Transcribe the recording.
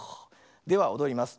ではおどります。